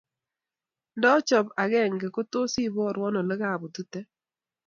ndachop agenge ko tos iborwo ole kabutute